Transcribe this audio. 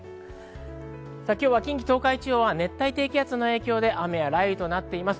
近畿東海地方は熱帯低気圧の影響で、雨や雷雨となっています。